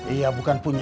iya bukan punya